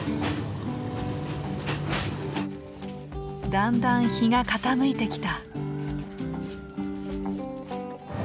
だんだん日が傾いてきた。